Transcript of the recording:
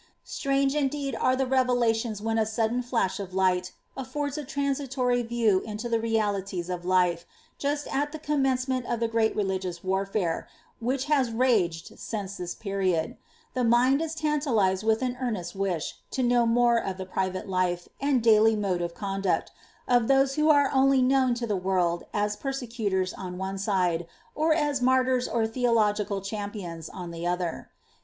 Strange, indeed, are the revelation* when a sudden flash of light affonls a transitory view into the realities of life, ju«l at the commencement of the great religious warfare, which has raged since this period; the mind is tantalised with an earn lo know more of the private life, and daily mode of conduct, who are only known to the world as persecutors on one si atutyn or theological cliampions, on the other.